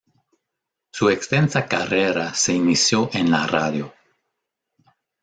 Su extensa carrera se inició en la radio.